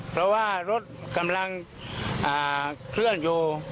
เพราะว่ารถกำลังเคลื่อนอยู่